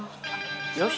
よし！